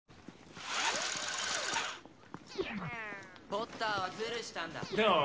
ポッターはずるしたんだどう？